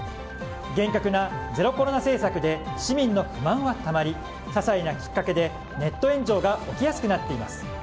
厳格なゼロコロナ政策で市民の不満はたまりささいなきっかけでネット炎上が起きやすくなっています。